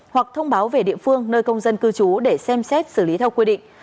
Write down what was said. hoặc thông báo về địa phương nơi công dân cư trú để xem xét xử lý theo quy định